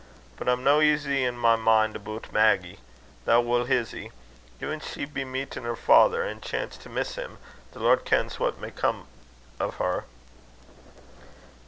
But I'm no easy i' my min' aboot Maggy the wull hizzie! Gin she be meetin' her father, an' chance to miss him, the Lord kens what may come o' her."